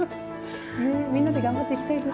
みんなで頑張っていきたいですね。